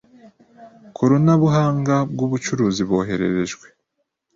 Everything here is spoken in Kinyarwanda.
koronabuhanga bw ubucuruzi bohererejwe